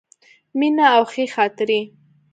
مینه او ښې خاطرې.